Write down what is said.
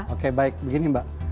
oke baik begini mbak